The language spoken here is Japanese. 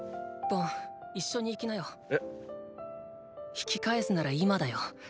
引き返すなら今だよ。